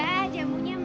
mbak jamunya mbak